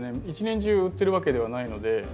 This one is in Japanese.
一年中売ってるわけではないので。